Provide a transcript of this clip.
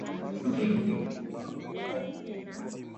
Magonjwa ya ngozi kwa kondoo hujumuisha ukurutu na ndui